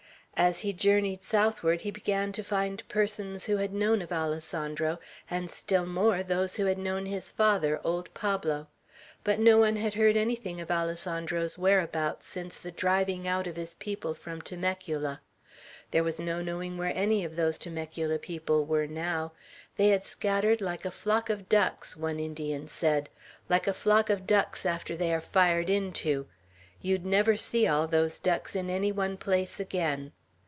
As he journeyed southward, he began to find persons who had known of Alessandro; and still more, those who had known his father, old Pablo. But no one had heard anything of Alessandro's whereabouts since the driving out of his people from Temecula; there was no knowing where any of those Temecula people were now. They had scattered "like a flock of ducks," one Indian said, "like a flock of ducks after they are fired into. You'd never see all those ducks in any one place again.